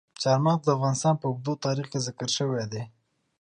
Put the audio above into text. چار مغز د افغانستان په اوږده تاریخ کې ذکر شوی دی.